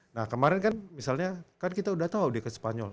nah kemarin kan misalnya kan kita udah tahu dia ke spanyol